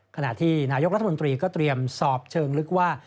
ขณะที่นายกรัฐมนตรีก็เตรียมสอบเชิงลึกว่า